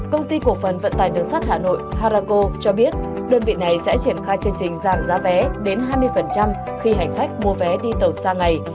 công ty cổ phần vận tài đường sắt hà nội harako cho biết đơn vị này sẽ triển khai chương trình giảm giá vé đến hai mươi khi hành khách mua vé đi tàu xa ngày